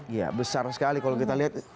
iya besar sekali kalau kita lihat